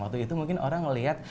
waktu itu mungkin orang melihat